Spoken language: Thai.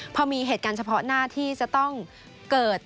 พอมีเหตุการณ์เฉพาะหน้าที่จะต้องเกิด